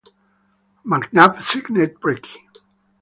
McNab signed Preki.